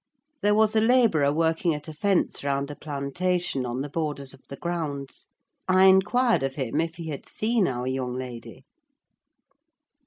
There was a labourer working at a fence round a plantation, on the borders of the grounds. I inquired of him if he had seen our young lady.